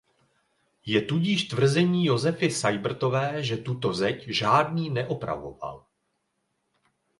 Jest tudíž tvrzení Josefy Sajbrtové, že tuto zeď „žádný“ neopravoval.